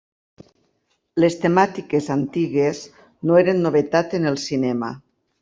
Les temàtiques antigues no eren novetat en el cinema.